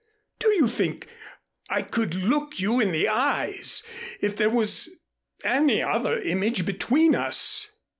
Do you think I could look you in the eyes if there was any other image between us?